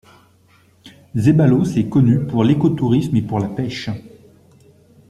Zeballos est connu pour l'écotourisme et pour la pêche.